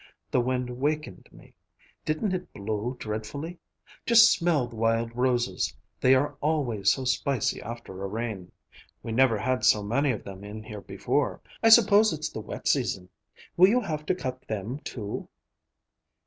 The wind wakened me. Didn't it blow dreadfully? Just smell the wild roses! They are always so spicy after a rain. We never had so many of them in here before. I suppose it's the wet season. Will you have to cut them, too?"